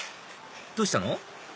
どうしたの？